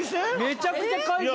めちゃくちゃ海鮮。